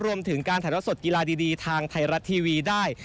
รวมถึงการถ่ายทอดสดกีฬาดีทางไทยรัฐทีวีได้